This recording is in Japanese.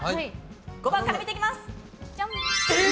５番から見ていきます。